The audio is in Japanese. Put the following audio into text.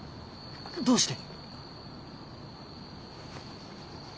どうして？